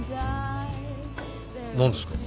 何ですか？